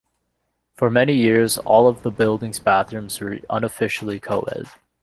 For many years, all of the building's bathrooms were unofficially co-ed.